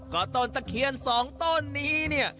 ก็ต้นตะเคียนสองต้นนี้เนี่ย